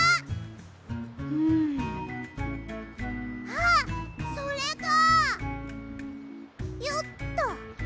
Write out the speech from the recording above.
あっそれかよっと。